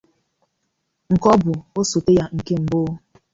nke ọ bụ osote ya nke mbụ